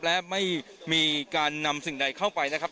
และไม่มีการนำสิ่งใดเข้าไปนะครับ